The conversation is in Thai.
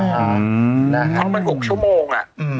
เพราะมัน๖ชั่วโมง